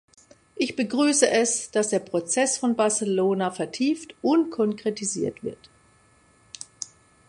Ich begrüße es, dass der Prozess von Barcelona vertieft und konkretisiert wird.